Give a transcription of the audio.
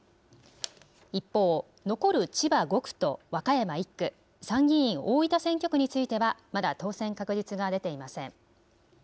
一方、残る千葉５区と和歌山１区、参議院大分選挙区についてはまだ当選確実が出ていません。